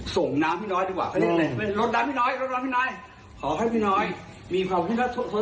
ส่งน้ำพี่น้อยดีกว่ารดน้ำพี่น้อย